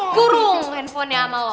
kurung handphonenya sama lo